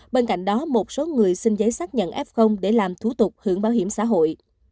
bên cạnh đó một số người xin giấy xác nhận f để làm thủ tục hưởng bảo hiểm xã hội